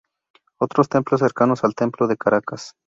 Otros templos cercanos al templo de Caracas